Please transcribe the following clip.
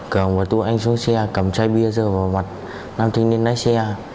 cường và tô anh xuống xe cầm chai bia rơi vào mặt nam thanh niên lái xe